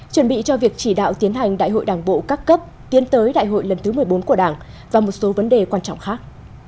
chuẩn bị cho việc chỉ đạo tiến hành đại hội đảng bộ các cấp tiến tới đại hội lần thứ một mươi bốn của đảng và một số vấn đề quan trọng khác